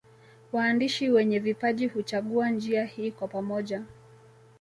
Waandishi wenye vipaji huchagua njia hii kwa pamoja